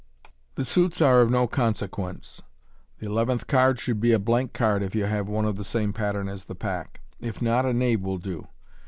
The suits are of no consequence. The eleventh card should be a blank card, if you have one of the same pattern as the pack ; if not, a knave will do.